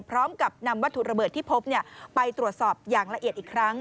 พร้อมกับนำวัตถุระเบิดที่พบไปตรวจสอบอย่างละเอียดอีกครั้ง